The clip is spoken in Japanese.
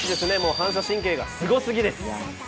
反射神経もすごすぎです。